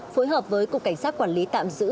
phối hợp với cục cảnh sát quản lý tạm giữ